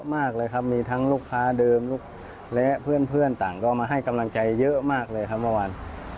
มากเลยครับมีทั้งลูกค้าเดิมลูกและเพื่อนต่างก็มาให้กำลังใจเยอะมากเลยครับเมื่อวาน